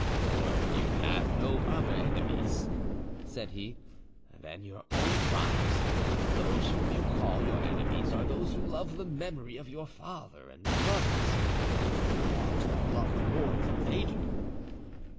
"For you have no other enemies," said he, "than your own crimes. Those whom you call your enemies are those who love the memory of your father and brothers, whom you ought to have loved more than they do."